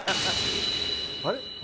あれ？